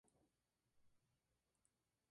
Está ahora en proceso de reforestación.